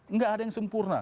enggak ada yang sempurna